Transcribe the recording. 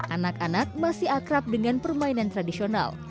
anak anak masih akrab dengan permainan tradisional